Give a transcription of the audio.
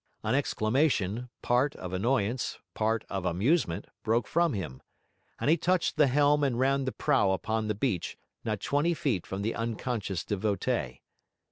An exclamation, part of annoyance, part of amusement, broke from him: and he touched the helm and ran the prow upon the beach not twenty feet from the unconscious devotee.